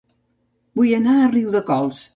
Vull anar a Riudecols